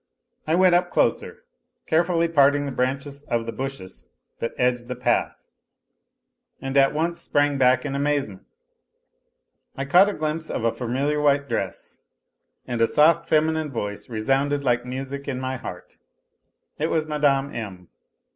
T went up closer, carefully parting the branches of the bushes that edged the path, and at once sprang back in amazement. I caught a glimpse of a familiar white dress and a soft feminine voice resounded like music in my heart. It was Mine. M.